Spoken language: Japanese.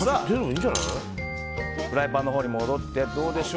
フライパンのほうに戻って。